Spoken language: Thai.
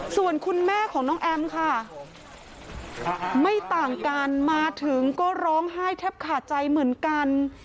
ส่วนคุณแม่ของน้องแอมค่ะไม่ต่างกันมาถึงก็ร้องไห้แทบขาดใจเหมือนกัน